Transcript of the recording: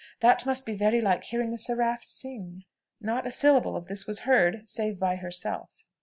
That must be very like hearing a seraph sing!" Not a syllable of this was heard save by herself.